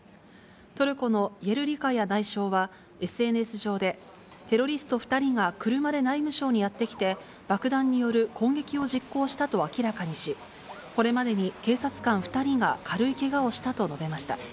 トルコのイェルリカヤ内相はＳＮＳ上で、テロリスト２人が車で内務省にやって来て、爆弾による攻撃を実行したと明らかにし、これまでに警察官２人が軽いけがをしたと述べました。